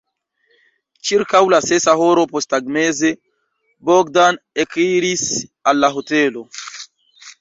Ĉirkaŭ la sesa horo posttagmeze Bogdan ekiris al la hotelo.